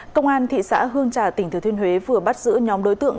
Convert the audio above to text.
công an thị xã hương trà tỉnh thừa thiên huế vừa bắt giữ nhóm đối tượng